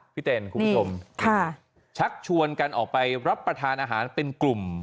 เต้นคุณผู้ชมชักชวนกันออกไปรับประทานอาหารเป็นกลุ่ม